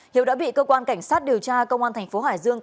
hiếu đã bị cơ quan cảnh sát điều tra công an thành phố hải dương